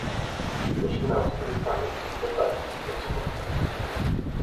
ნიშნავს რისამე კეთებას, მოწყობას.